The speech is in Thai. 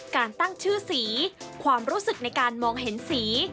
การตั้งชื่อสีความรู้สึกในการมองเห็นสี